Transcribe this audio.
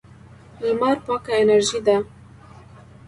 لمر پاکه انرژي ده.